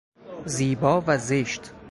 زیبا و زشت